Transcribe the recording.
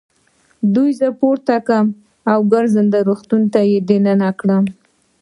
دوی زه پورته کړم او ګرځنده روغتون ته يې دننه کړم.